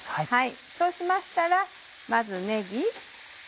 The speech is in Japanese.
そうしましたらまずねぎ。